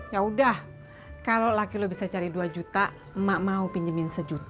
ya udah kalo laki lu bisa cari dua juta emak mau pinjemin satu juta